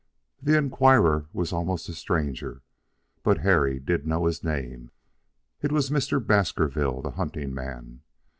The inquirer was almost a stranger, but Harry did know his name. It was Mr. Baskerville, the hunting man.